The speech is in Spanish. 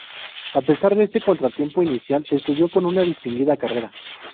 A pesar de este contratiempo inicial, estudió con una distinguida carrera.